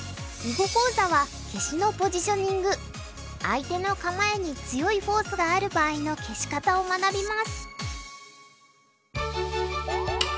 相手の構えに強いフォースがある場合の消し方を学びます。